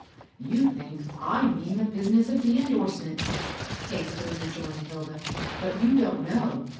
" You think I mean the business of the endorse ment," hastily rejoined Hilda; "but you don't know.